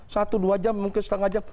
satu dua jam mungkin setengah jam